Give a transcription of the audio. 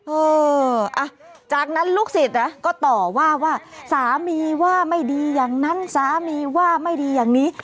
เออจากนั้นลูกศิษย์ก็ต่อว่าว่าสามีว่าไม่ดีอย่างนั้นสามีว่าไม่ดีอย่างนี้